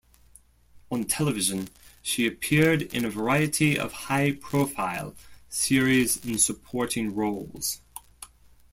On television, she appeared in a variety of high-profile series in supporting roles.